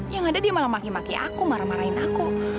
yang ada dia malah maki maki aku marah marahin aku